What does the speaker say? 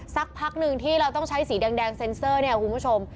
สักพักหนึ่งที่เราต้องใช้สีแดงเซ็นเซอร์เนี่ยคุณผู้ชม